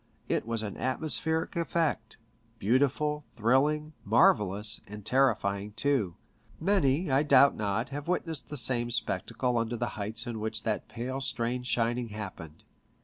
It was an atmospheric effect, beautiful, thrilling, marvellous, and terrifying too. Many, I doubt not, have witnessed t}ie same spectacle under the heights in which that pale strange shining happened.